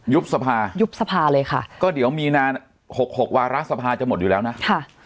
สภายุบสภาเลยค่ะก็เดี๋ยวมีนานหกหกวาระสภาจะหมดอยู่แล้วนะค่ะ